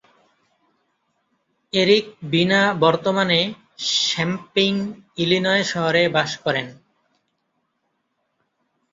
Eric Bina বর্তমানে Champaign, Illinois শহরে বাস করেন।